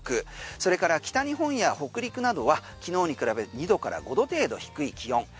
それから北日本や北陸などは昨日に比べて２度から５度程度低い気温。